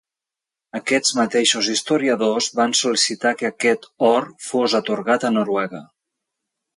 Aquests mateixos historiadors van sol·licitar que aquest or fos atorgat a Noruega.